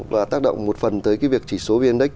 và tác động một phần tới cái việc chỉ số vnc